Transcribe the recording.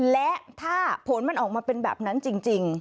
และถ้าผลมันออกมาเป็นแบบนั้นจริง